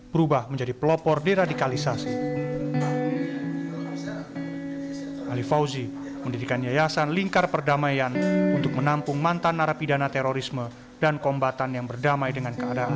berubah menjadi berobor diradikalisasi alif dati keundikannya yasan lingkar perdamaian untuk menampung mantan nara pidana teroris dan kombatan yang berdamai dengan keadangan